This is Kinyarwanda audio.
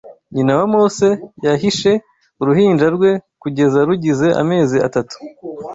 Nyina wa Mose yahishe uruhinja rwe kugeza rugize amezi atatu